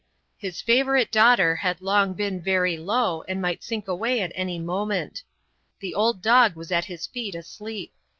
His favorite daughter had long been very low, and might sink away at any moment. The old dog was at his feet asleep.